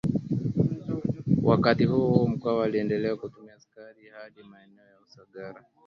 Wakati huohuo Mkwawa aliendelea kutuma askari wake hadi maeneo ya Usagara